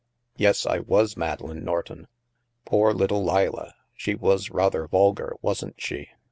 Yes, I was Madeleine Norton. Poor little Leila; she was rather vulgar, wasn't she?